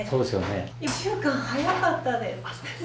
１週間早かったです。